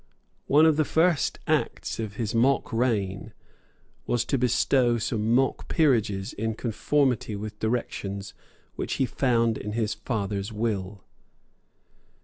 One of the first acts of his mock reign was to bestow some mock peerages in conformity with directions which he found in his father's will.